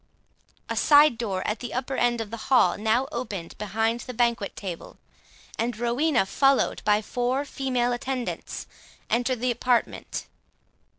A side door at the upper end of the hall now opened behind the banquet table, and Rowena, followed by four female attendants, entered the apartment.